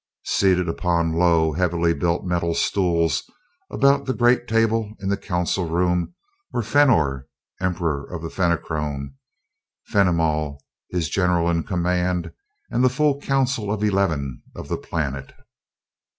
Seated upon low, heavily built metal stools about the great table in the council room were Fenor, Emperor of the Fenachrone; Fenimol, his General in Command, and the full Council of Eleven of the planet.